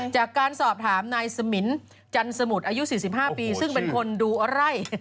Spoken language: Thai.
จากการสอบถามนายสมินจันสมุทรอายุ๔๕ปีซึ่งเป็นคนดูไร่